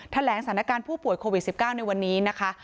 แถลงสถานการณ์ผู้ป่วยโควิด๑๙ในวันนี้นะคะ